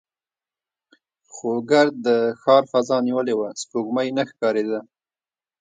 خو ګرد د ښار فضا نیولې وه، سپوږمۍ نه ښکارېده.